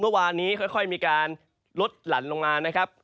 เมื่อวานนี้ค่อยมีการลดหลั่นลงมานะครับ